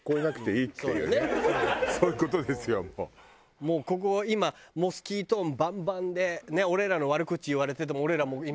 もうここ今モスキート音バンバンで俺らの悪口言われてても。